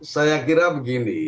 saya kira begini